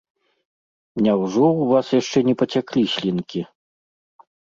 Няўжо ў вас яшчэ не пацяклі слінкі?